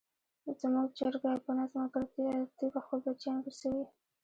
زموږ چرګه په نظم او ترتیب خپل بچیان ګرځوي.